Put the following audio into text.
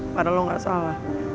padahal lu nggak salah